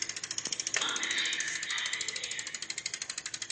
Amefika Nyali leo.